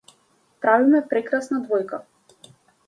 Правиме прекрасна двојка.